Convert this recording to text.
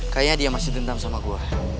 kayaknya dia masih dendam sama gua